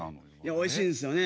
おいしいんすよね。